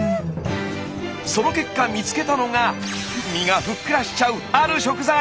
その結果見つけたのが身がふっくらしちゃうある食材！